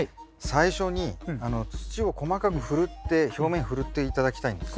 最初に土を細かくふるって表面ふるって頂きたいんです。